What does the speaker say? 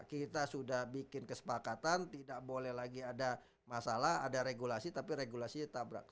kita sudah bikin kesepakatan tidak boleh lagi ada masalah ada regulasi tapi regulasinya tabrak